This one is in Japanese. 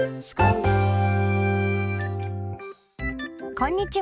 こんにちは。